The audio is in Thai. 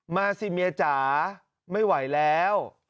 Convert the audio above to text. มาสิเมียจ๋าไม่ไหวแล้ว